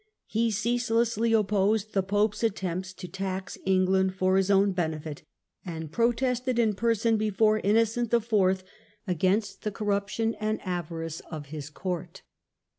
He ceaselessly opposed the pope's attempts to tax Eng land for his own benefit, and protested in person before Innocent IV. against the corruption and avarice of his court.